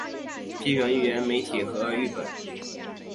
批评预言媒体和誊本